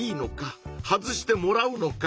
外してもらうのか？